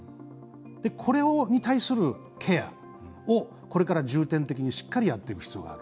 これに対するケアを、これから重点的にしっかりやっていく必要がある。